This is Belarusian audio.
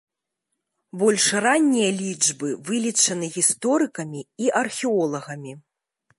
Больш раннія лічбы вылічаны гісторыкамі і археолагамі.